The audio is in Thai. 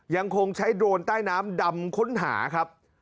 ยังคงใช้โดรนใต้น้ำดำค้นหาครับ